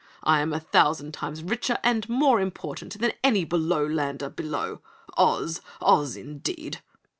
I am a thousand times richer and more important than any Belowlander below. Oz! OZ! Indeed!"